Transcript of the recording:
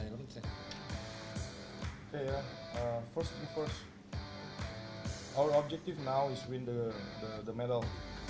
kembali ke rumah dengan medal